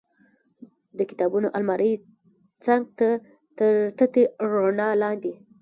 د کتابونو المارۍ څنګ ته تر تتې رڼا لاندې.